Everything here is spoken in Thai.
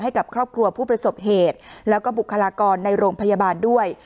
ให้กับครอบครัวผู้ประสบเหตุแล้วก็บุคลากรในโรงพยาบาลด้วย